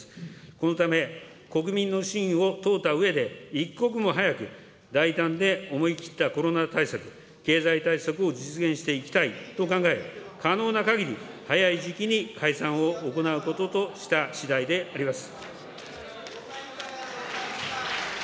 このため、国民の信を問うたうえで、一刻も早く大胆で思い切ったコロナ対策、経済対策を実現していきたいと考え、可能なかぎり、早い時期に解散を行うこととしたしだいであります。